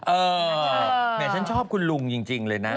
แหมฉันชอบคุณลุงจริงเลยนะ